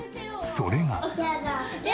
それが。